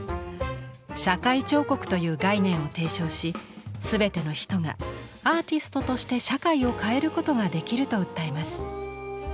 「社会彫刻」という概念を提唱し全ての人がアーティストとして社会を変えることができると訴えます。